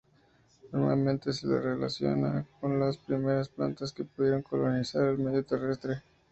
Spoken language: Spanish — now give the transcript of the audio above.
Normalmente se las relaciona con las primeras plantas que pudieron colonizar el medio terrestre.